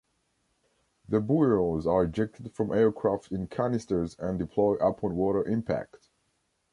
The buoys are ejected from aircraft in canisters and deploy upon water impact.